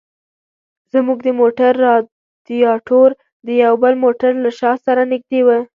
زموږ د موټر رادیاټور د یو بل موټر له شا سره نږدې و.